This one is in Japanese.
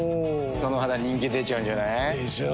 その肌人気出ちゃうんじゃない？でしょう。